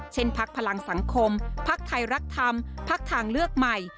พักพลังสังคมพักไทยรักธรรมพักทางเลือกใหม่